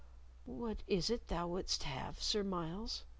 "What is it thou wouldst have, Sir Myles?"